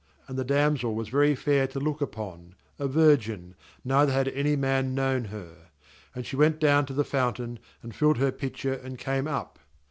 16And the damsel was very fair to Look upon, a virgin, neither had any man known her; and she went down to the fountain, and filled her pitcher, and came up.